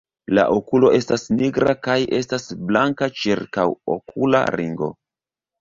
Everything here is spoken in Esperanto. La okulo estas nigra kaj estas blanka ĉirkaŭokula ringo.